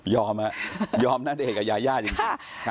ยอมน่ะยอมณเดชน์กับยาจริง